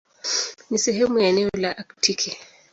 Ni sehemu ya eneo la Aktiki.